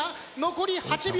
残り８秒。